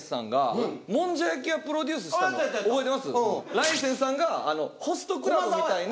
ライセンスさんがホストクラブみたいな。